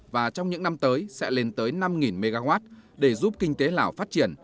và trong những năm tới sẽ lên tới năm mw để giúp kinh tế lào phát triển